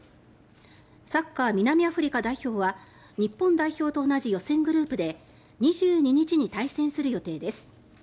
サッカー、南アフリカ代表は日本代表と同じ予選グループで２２日に対戦する予定です。